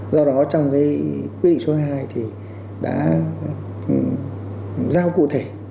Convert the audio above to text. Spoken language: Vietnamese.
do đó trong cái quyết định số hai mươi hai thì đã giao cụ thể